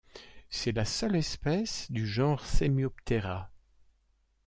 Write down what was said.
C'est la seule espèce du genre Semioptera.